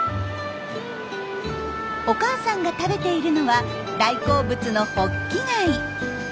お母さんが食べているのは大好物のホッキ貝。